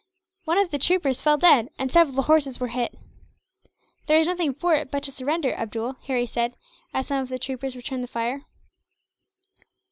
One of the troopers fell dead, and several of the horses were hit. "There is nothing for it but to surrender, Abdool," Harry said, as some of the troopers returned the fire.